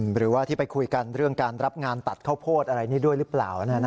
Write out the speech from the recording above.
หรือว่าที่ไปคุยกันเรื่องการรับงานตัดข้าวโพดอะไรนี้ด้วยหรือเปล่า